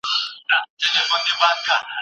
د څيړني لپاره باید آرامه فضا وي.